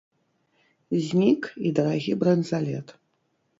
Знік і дарагі бранзалет.